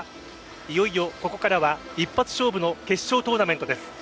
いよいよここからは一発勝負の決勝トーナメントです。